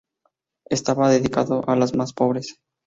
Estaba dedicada a las más pobres.